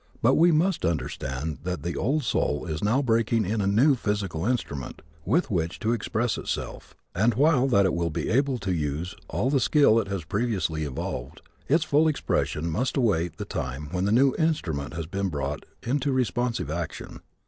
But we must remember that the old soul is now breaking in a new physical instrument with which to express itself and that while it will be able to use all the skill it has previously evolved, its full expression must await the time when the new instrument has been brought into responsive action.